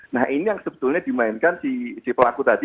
nah ini yang sebetulnya dimainkan si pelaku tadi